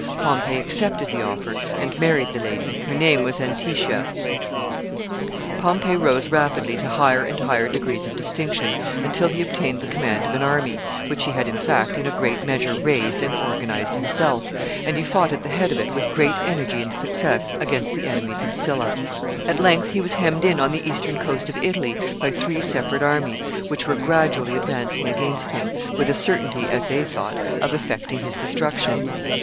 Pompey accepted the offer, and married the lady. Her name was Antistia. [Sidenote: His success as a general.] [Sidenote: Pompey defeats the armies.] Pompey rose rapidly to higher and higher degrees of distinction, until he obtained the command of an army, which he had, in fact, in a great measure raised and organized himself, and he fought at the head of it with great energy and success against the enemies of Sylla. At length he was hemmed in on the eastern coast of Italy by three separate armies, which were gradually advancing against him, with a certainty, as they thought, of effecting his destruction.